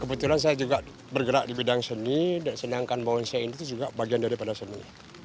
kebetulan saya juga bergerak di bidang seni dan senyumkan bonsai ini juga bagian dari pada seni